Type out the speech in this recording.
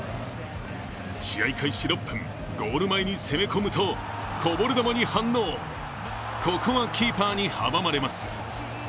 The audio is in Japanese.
試合開始６分、ゴール前に攻め込むとこぼれ球に反応、ここはキーパーに阻まれます。